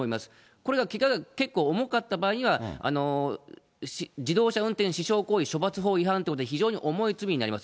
これがけがが結構重かった場合には、自動車運転死傷行為処罰法違反ということで、非常に重い罪になります。